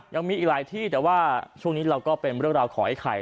ยังมีอีกหลายที่แต่ว่าช่วงนี้เราก็เป็นเรื่องราวของไอ้ไข่